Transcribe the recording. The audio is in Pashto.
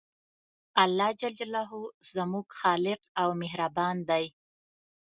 الله ج زموږ خالق او مهربان دی